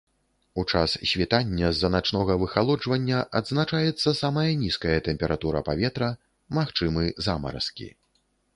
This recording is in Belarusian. У час світання з-за начнога выхалоджвання адзначаецца самая нізкая тэмпература паветра, магчымы замаразкі.